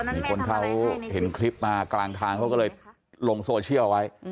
มีคนเขาเห็นคลิปมากลางทางเขาก็เลยลงโซเชียลไว้